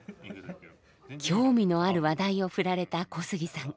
興味のある話題をふられた小杉さん。